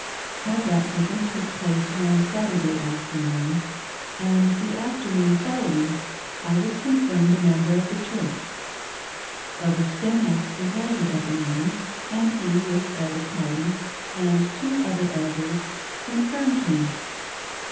My baptism took place one Saturday afternoon, and the afternoon following I was confirmed a member of the church. Elder Stenhouse presided at the meeting, and he, with Elder Cowdy and two other elders, confirmed me.